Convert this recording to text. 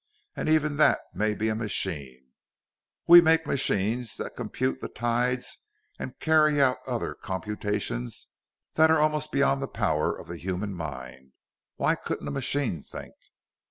And even that may be a machine. We make machines that compute the tides and carry out other computations that are almost beyond the power of the human mind: why couldn't a machine think?